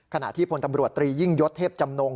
ขณะที่พลตำรวจตรียิ่งยศเทพจำนง